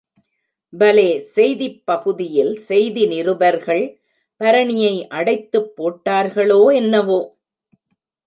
பலே செய்தி ப் பகுதியில் செய்தி நிருபர்கள் பரணியை அடைத்துப் போட்டார்களோ என்னவோ?